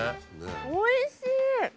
おいしい！